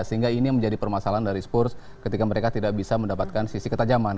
sehingga ini yang menjadi permasalahan dari spurs ketika mereka tidak bisa mendapatkan sisi ketajaman